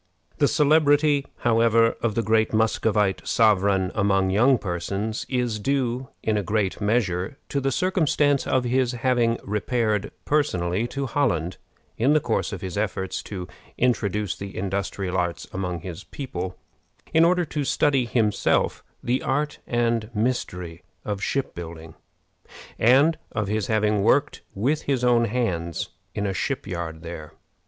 The celebrity, however, of the great Muscovite sovereign among young persons is due in a great measure to the circumstance of his having repaired personally to Holland, in the course of his efforts to introduce the industrial arts among his people, in order to study himself the art and mystery of shipbuilding, and of his having worked with his own hands in a ship yard there.